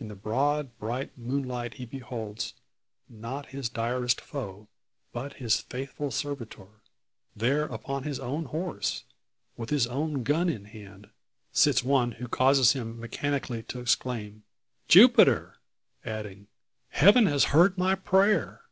In the broad bright moonlight he beholds, not his direst foe, but his faithful servitor. There upon his own horse, with his own gun in hand, sits one who causes him mechanically to exclaim "Jupiter!" adding, "Heaven has heard my prayer!"